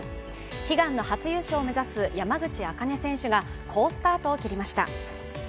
悲願の初優勝を目指す山口茜選手が好スタートを切りました。